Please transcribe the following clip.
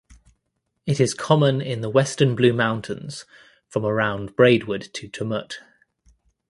It is common in the western Blue Mountains from around Braidwood to Tumut.